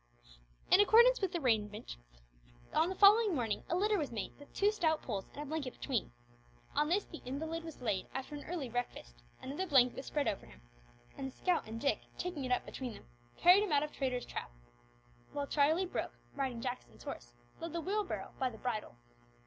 In accordance with this arrangement, on the following morning a litter was made with two stout poles and a blanket between. On this the invalid was laid after an early breakfast; another blanket was spread over him, and the scout and Dick, taking it up between them, carried him out of Traitor's Trap, while Charlie Brooke, riding Jackson's horse, led the Wheelbarrow by the bridle.